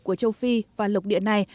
của châu phi và lục địa này